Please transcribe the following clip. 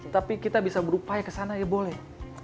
tapi kita bisa berupaya kesana ya boleh